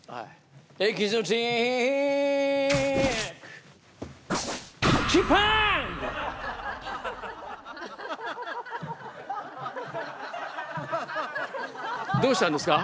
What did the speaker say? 「エキゾチック」「チパング」どうしたんですか？